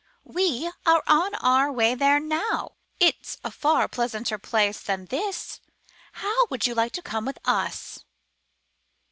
We are on our way there now. It's a far pleasanter place than this. How would you like to come with us?'